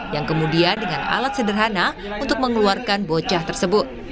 yang kemudian dengan alat sederhana untuk mengeluarkan bocah tersebut